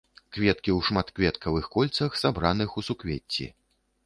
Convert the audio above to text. Кветкі ў шматкветкавых кольцах, сабраных у суквецці.